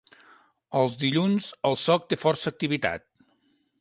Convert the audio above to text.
Els dilluns el soc té força activitat.